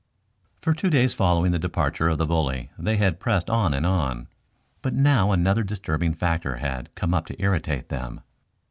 For two days following the departure of the bully they had pressed on and on. But now another disturbing factor had come up to irritate them.